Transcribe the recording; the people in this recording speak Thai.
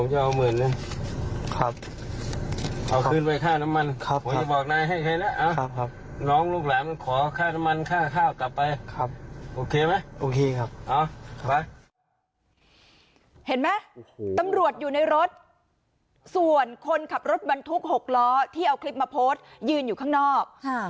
เห็นไหมตำรวจอยู่ในรถส่วนคนขับรถบรรทุก๖ล้อที่เอาคลิปมาโพสต์ยืนอยู่ข้างนอก